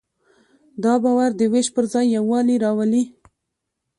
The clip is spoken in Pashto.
دا باور د وېش پر ځای یووالی راولي.